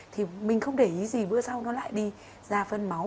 thì mình không để ý gì bữa sau nó lại đi ra phân máu